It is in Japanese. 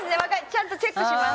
ちゃんとチェックします。